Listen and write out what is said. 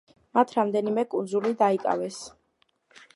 მათ რამდენიმე კუნძული დაიკავეს.